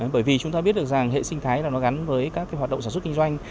bởi vì chúng ta biết được rằng hệ sinh thái là nó gắn với các hoạt động sản xuất kinh doanh